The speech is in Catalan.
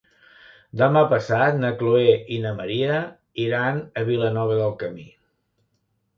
Demà passat na Chloé i na Maria iran a Vilanova del Camí.